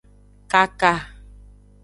Kaka.